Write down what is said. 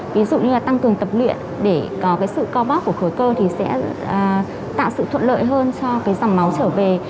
ví dụ như là tăng cường tập luyện để có sự co bóp của khối cơ thì sẽ tạo sự thuận lợi hơn cho dòng máu trở về